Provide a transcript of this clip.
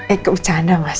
eh ke ucah anda mas